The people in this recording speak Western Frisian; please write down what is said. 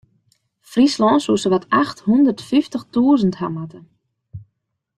Fryslân soe sawat acht hûndert fyftich tûzen hawwe moatte.